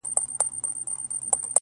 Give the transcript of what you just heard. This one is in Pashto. o لټي د گناه مور ده!